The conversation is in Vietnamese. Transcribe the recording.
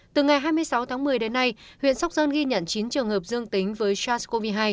từ ngày hai mươi sáu tháng một mươi đến nay huyện sóc sơn ghi nhận chín trường hợp dương tính với sars cov hai